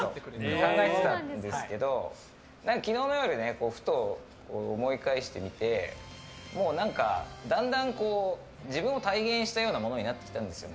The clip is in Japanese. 考えてたんですけど昨日の夜ふと思い返してみてだんだん自分を体現したようなものになってきたんですよね